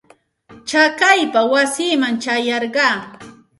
Chakaypa wasiiman ćhayarqaa.